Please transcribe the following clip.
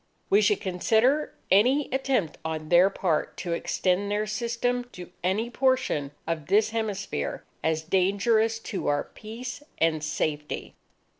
_ _We should consider any attempt on their part to extend their system to any portion of this hemisphere, as dangerous to our peace and safety.